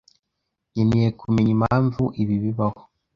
Nkeneye kumenya impamvu ibi bibaho.